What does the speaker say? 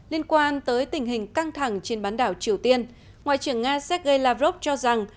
liên quan tới tình hình căng thẳng trên bán đảo triều tiên ngoại trưởng nga sergei lavrov cho rằng